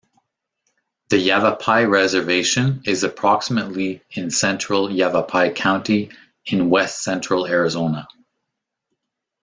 The Yavapai reservation is approximately in central Yavapai County in west-central Arizona.